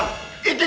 nih pas kan